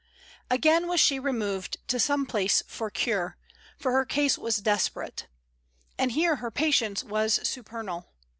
Again was she removed to some place for cure, for her case was desperate. And here her patience was supernal.